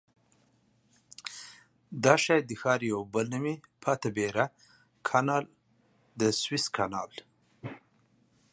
This may reflect another version of the city's name, Patibira, "Canal of the Smiths".